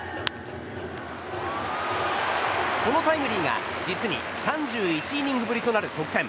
このタイムリーが実に３１イニングぶりとなる得点。